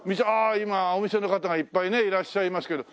今お店の方がいっぱいいらっしゃいますけど。